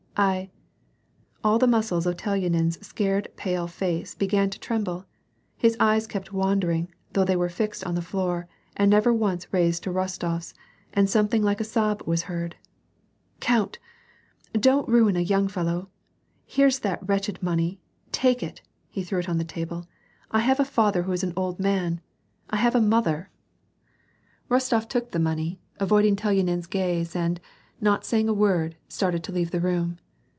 a J J> All the muscles of Telyanin's scared pale face began to trem ble, his eyes kept wandering, though they were fixed on the floor, and never once raised to Rostofs, and something like a sob was heard. " Count !— Don't ruin a young fellow. Here's that wretched money, take it." He threw it on the table, " 1 have a father who's an old man j I have a mother !" WAR AND PEACE. 167 Kostof took the money, avoiding Telyanin's gaze and, not saying a word, started to leave the room.